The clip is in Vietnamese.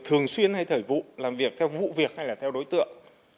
thường xuyên hay thời vụ làm việc theo vụ việc hay là theo đối tượng